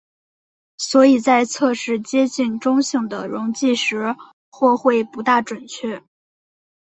所以在测试接近中性的溶剂时或会不大准确。